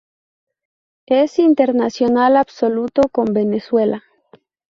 Es internacional absoluto con Venezuela.